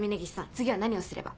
次は何をすれば？